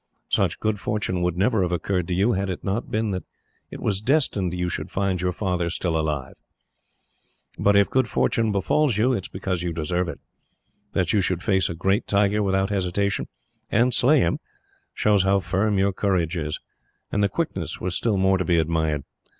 Such good fortune would never have occurred to you, had it not been that it was destined you should find your father still alive. But if good fortune befalls you, it is because you deserve it. That you should face a great tiger without hesitation, and slay him, shows how firm your courage is; and the quickness was still more to be admired.